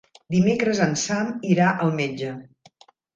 Dimecres en Sam irà al metge.